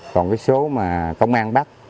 còn cái số mà công an bắt